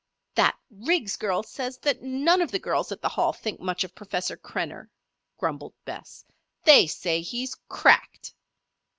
"That Riggs girl says that none of the girls at the Hall think much of Professor Krenner," grumbled Bess. "They say he's cracked."